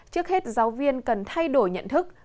trước hết giáo viên cần thay đổi nhận thức